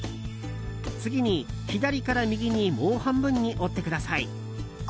次に左から右にもう半分に折ってください。